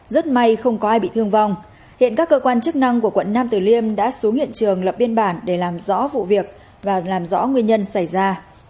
rất may không có ai bị thương vong hiện các cơ quan chức năng của quận nam tử liêm đã xuống hiện trường lập biên bản để làm rõ vụ việc và làm rõ nguyên nhân xảy ra